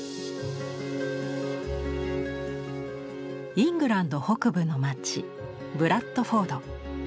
イングランド北部の街ブラッドフォード。